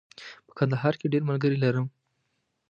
په کندهار کې ډېر ملګري لرم.